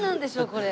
これ。